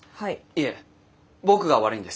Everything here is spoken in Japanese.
いえ僕が悪いんです。